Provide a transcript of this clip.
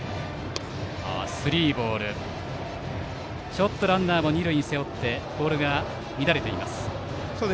ちょっとランナーを二塁に背負いボールが乱れています。